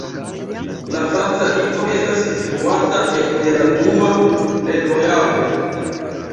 La franca lingvo estas instruata ek de la dua lernojaro.